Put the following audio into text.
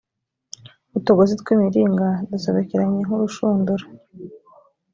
utugozi tw imiringa dusobekeranye nk urushundura